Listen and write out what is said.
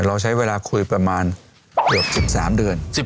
เราใช้เวลาคุยประมาณเกือบ๑๓เดือน